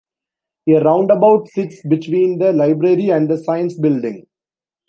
A roundabout sits between the library and the science building.